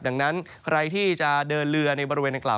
ดังนั้นใครที่จะเดินเรือในบริเวณดังกล่า